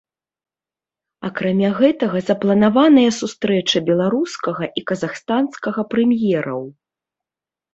Акрамя гэтага, запланаваная сустрэча беларускага і казахстанскага прэм'ераў.